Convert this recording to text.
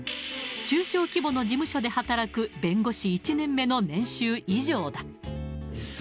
中小規模の事務所で働く弁護士１年目の年収以上だ。